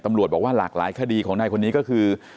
ตำรวจบอกว่าหลากหลายคดีของนายคนนี้ก็คือ